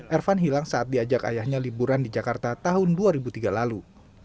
ervan hilang saat diajak ayahnya liburan di jakarta tahun dua ribu tiga lalu